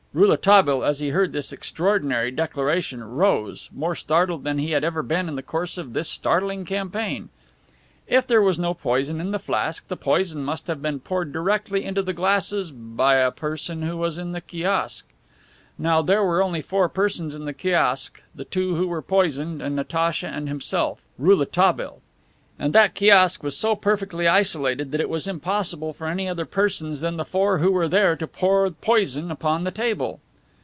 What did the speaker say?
Rouletabille, as he heard this extraordinary declaration, rose, more startled than he had ever been in the course of this startling campaign. If there was no poison in the flask, the poison must have been poured directly into the glasses by a person who was in the kiosk! Now, there were only four persons in the kiosk: the two who were poisoned and Natacha and himself, Rouletabille. And that kiosk was so perfectly isolated that it was impossible for any other persons than the four who were there to pour poison upon the table.